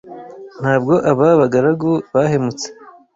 ntabwo aba bagaragu bahemutse